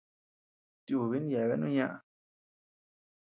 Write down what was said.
Tiubin yeabeanu ñaʼä.